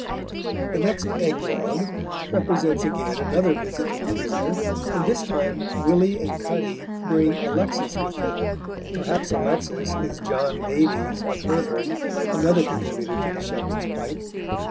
The next "eglogue" represents again another visit to the prisoner, and this time Willy and Cuddy bring Alexis with them; perhaps Alexis is John Davies, of Hereford, another contributor to The Shepherd's Pipe.